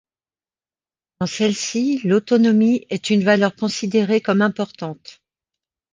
Dans celles-ci, l’autonomie est une valeur considérée comme importante.